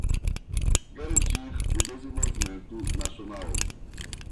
garantir o desenvolvimento nacional;